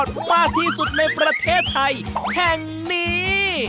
มากที่สุดในประเทศไทยแห่งนี้